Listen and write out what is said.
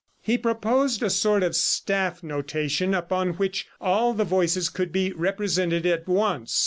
He proposed a sort of staff notation, upon which all the voices could be represented at once.